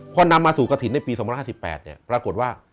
พอนำมาสู่กฐินในปีสองพันห้าสิบแปดเนี่ยปรากฏว่า